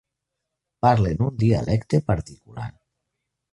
Parlen un dialecte particular.